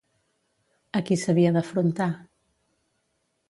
A qui s'havia d'afrontar?